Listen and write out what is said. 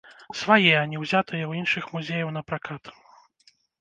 Свае, а не ўзятыя ў іншых музеяў на пракат.